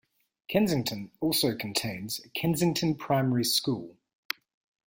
Kensington also contains Kensington Primary School.